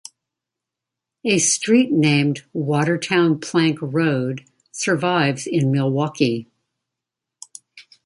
A street named "Watertown Plank Road" survives in Milwaukee.